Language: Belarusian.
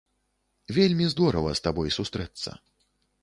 Вельмі здорава з табой сустрэцца.